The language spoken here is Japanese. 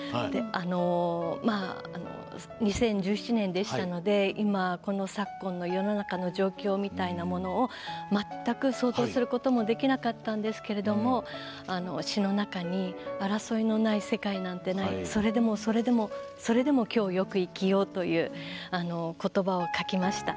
２０１７年でしたので今、この昨今の世の中の状況みたいなものを全く想像することもできなかったんですけれども詞の中に「争いのない世界なんてないそれでもそれでもそれでも今日をよく生きよう」という言葉を書きました。